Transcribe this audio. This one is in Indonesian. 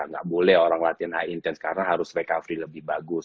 gak boleh orang latihan h intense karena harus recovery lebih bagus